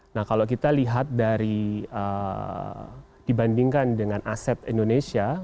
nah kalau kita lihat dari dibandingkan dengan aset indonesia